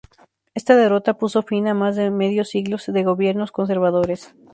Esta derrota puso fin a más de medio siglo de gobiernos conservadores.